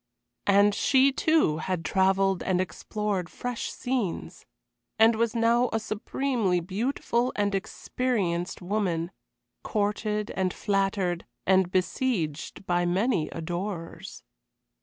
And she, too, had travelled and explored fresh scenes, and was now a supremely beautiful and experienced woman courted and flattered, and besieged by many adorers.